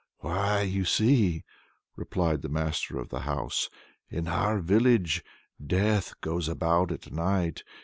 "Why you see," replied the master of the house, "in our village Death goes about at night.